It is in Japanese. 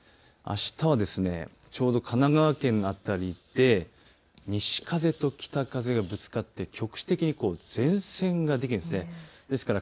あしたはちょうど神奈川県の辺りで西風と北風がぶつかって局地的に前線ができるんです。